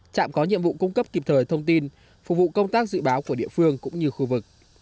trạm có nhiệm vụ cung cấp kịp thời thông tin phục vụ công tác dự báo của địa phương cũng như khu vực